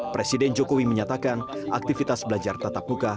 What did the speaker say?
presiden jokowi menyatakan aktivitas belajar tatap muka